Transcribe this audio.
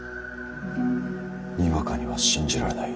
にわかには信じられない。